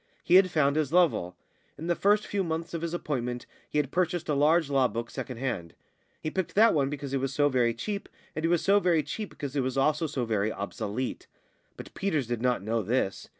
He had found his level. In the first few months of his appointment he had purchased a large law book second hand. He picked that one because it was so very cheap, and it was so very cheap because it was also so very obsolete; but Peters did not know this.